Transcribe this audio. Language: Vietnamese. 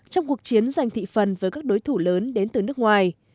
trong cuộc chiến giành thị phần với các đối thủ lớn đến từ nước ngoài